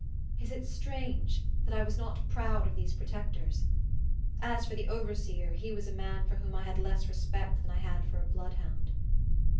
Is it strange, that I was not proud of these protectors? As for the overseer, he was a man for whom I had less respect than I had for a bloodhound.